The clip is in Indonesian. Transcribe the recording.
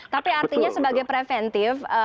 tapi artinya sebagai preventif